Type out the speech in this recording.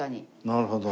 なるほど。